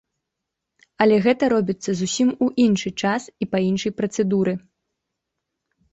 Але гэта робіцца зусім у іншы час і па іншай працэдуры.